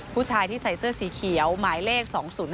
ผู้ชายที่ใส่เสื้อสีเขียวหมายเลข๒๐๑